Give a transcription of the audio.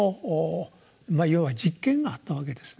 あ要は「実験」があったわけですね。